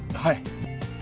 はい。